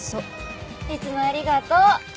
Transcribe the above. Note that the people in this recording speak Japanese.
いつもありがとう。